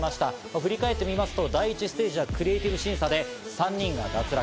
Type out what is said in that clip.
振り返ってみますと第１ステージはクリエイティブ審査で３人が脱落。